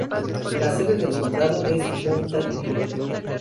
La sede del condado es Mountain View.